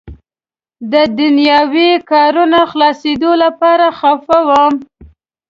د دنیاوي کارونو خلاصېدو لپاره خفه وم.